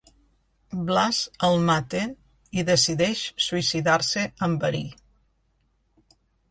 Blas el mata i decideix suïcidar-se amb verí.